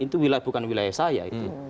itu bukan wilayah saya